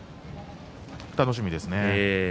楽しみですね。